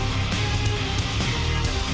mas ini dia mas